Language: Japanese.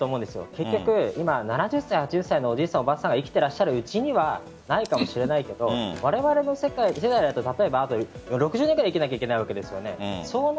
結局、今７０歳８０歳のおじいさんおばあさんが生きていらっしゃるうちにはないかもしれないけどわれわれの世代だと６０年くらい生きなければいけないわけです。